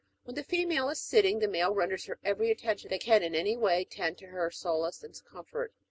'WTien the female is sitting, the male renders her every attention that can in any way tend to her solace and comfort.